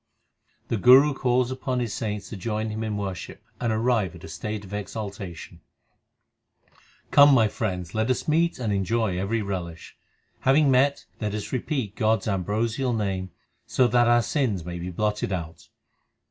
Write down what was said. The Guru calls upon his saints to join him in worship and arrive at a state of exaltation : Come, my friends, let us meet and enjoy every relish ; Having met let us repeat God s ambrosial name so that our sins may be blotted out.